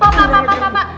pak pak pak pak pak